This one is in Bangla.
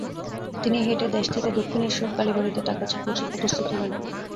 তিনি হেঁটে দেশ থেকে দক্ষিণেশ্বর কালীবাড়ীতে তাঁর কাছে উপস্থিত হলেন।